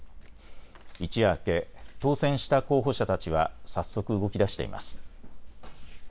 一夜明け、当選した候補者たちは早速、動きだしています。